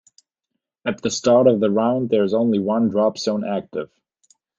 At the start of the round there is only one drop zone active.